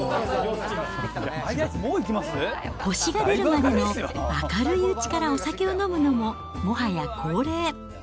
星が出るまでの明るいうちからお酒を飲むのも、もはや恒例。